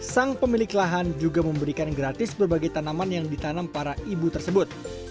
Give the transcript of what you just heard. sang pemilik lahan juga memberikan gratis berbagai tanaman yang ditanam para ibu tersebut